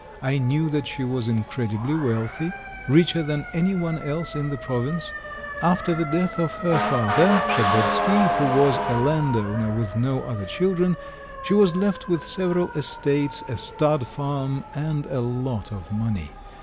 I knew that she was incredibly wealthy, richer than anyone else in the province. After the death of her father, Shabelsky, who was a landowner with no other children, she was left with several estates, a stud farm, and a lot of money.